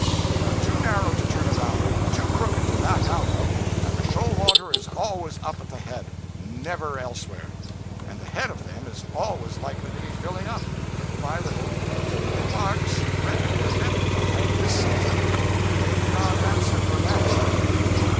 They are too narrow to turn around in, too crooked to back out of, and the shoal water is always up at the head; never elsewhere. And the head of them is always likely to be filling up, little by little, so that the marks you reckon their depth by, this season, may not answer for next.'